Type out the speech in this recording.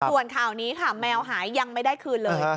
ส่วนข่าวนี้ค่ะแมวหายยังไม่ได้คืนเลย